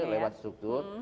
kampanye lewat struktur